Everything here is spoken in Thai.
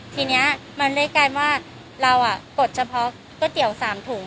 ทีนี้มันได้กลายว่าเรากดเฉพาะก๋วยเตี๋ยว๓ถุง